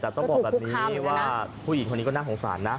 แต่ต้องบอกแบบนี้ว่าผู้หญิงคนนี้ก็น่าสงสารนะ